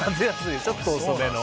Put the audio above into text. ちょっと遅めの。